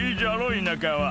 田舎は」